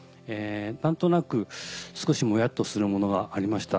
何となく少しモヤっとするものがありました。